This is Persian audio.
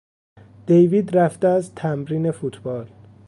دیوید رفته است تمرین فوتبال.